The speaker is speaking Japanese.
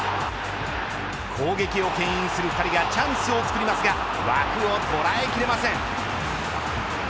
攻撃をけん引する２人がチャンスを作りますが枠を捉え切れません。